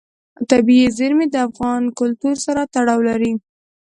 طبیعي زیرمې د افغان کلتور سره تړاو لري.